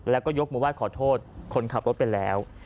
แล้วก็ยกมือไห้ขอโทษคนขับรถไปแล้ว